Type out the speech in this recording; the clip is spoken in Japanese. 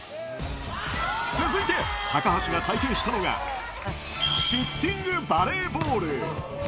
続いて、高橋が体験したのが、シッティングバレーボール。